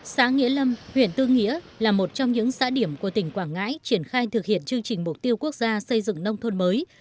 xã nghĩa lâm huyện tư nghĩa là một trong những xã điểm của tỉnh quảng ngãi triển khai thực hiện chương trình mục tiêu quốc gia xây dựng nông thôn mới